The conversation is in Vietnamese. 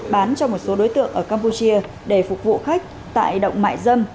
bán cho một số đối tượng ở campuchia để phục vụ khách tại động mại dâm